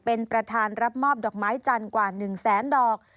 เป็นประธานรับมอบดอกไม้จันทร์กว่า๑แสนดอก